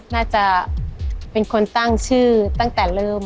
น่าจะเป็นคนตั้งชื่อตั้งแต่เริ่ม